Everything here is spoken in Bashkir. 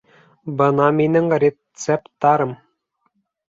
Бына минең рецепттарым